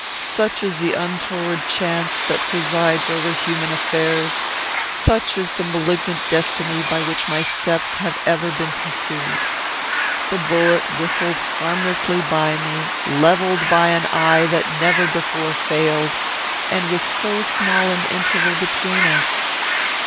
Such is the untoward chance that presides over human affairs; such is the malignant destiny by which my steps have ever been pursued. The bullet whistled harmlessly by me, levelled by an eye that never before failed, and with so small an interval between us.